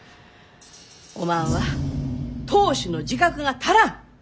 おまんは当主の自覚が足らん！